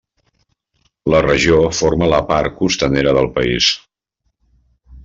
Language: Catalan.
La regió forma la part costanera del país.